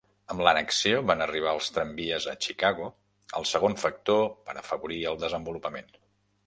Amb l'annexió van arribar els tramvies a Chicago, el segon factor per afavorir el desenvolupament.